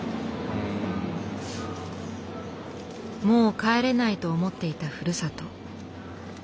もう帰れないと思っていたふるさと。